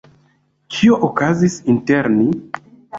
Kio okazis inter ni?